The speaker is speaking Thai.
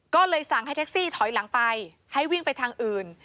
ก็เลยสั่งให้แท็กซี่ถอยหลังไปให้วิ่งไปทางอื่น